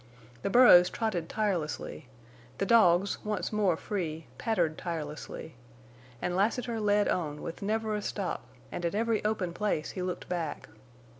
The burros trotted tirelessly; the dogs, once more free, pattered tirelessly; and Lassiter led on with never a stop, and at every open place he looked back.